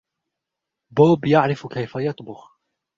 بوب يعرف كيف يطبخ.